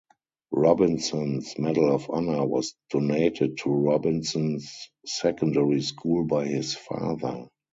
Robinson's Medal of Honor was donated to Robinson Secondary School by his father.